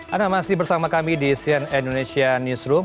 anda masih bersama kami di cnn indonesia newsroom